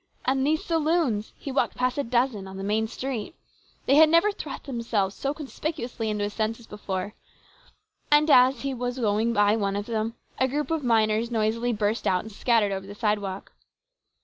And these saloons ! He walked past a dozen on the main street. They never had thrust themselves so conspicuously into his senses before. And as he was going by one of them, a crowd of miners noisily burst out and scattered over the sidewalk.